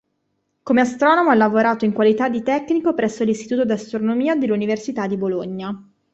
Come astronomo ha lavorato in qualità di tecnico presso l'Istituto d'astronomia dell'Università di Bologna.